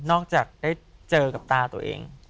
จากได้เจอกับตาตัวเอง